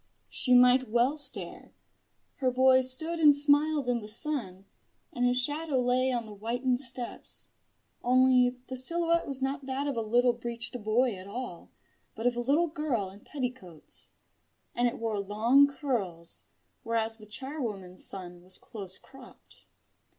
She might well stare. Her boy stood and smiled in the sun, and his shadow lay on the whitened steps. Only the silhouette was not that of a little breeched boy at all, but of a little girl in petticoats; and it wore long curls, whereas the charwoman's son was close cropped.